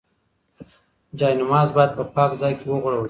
جاینماز باید په پاک ځای کې وغوړول شي.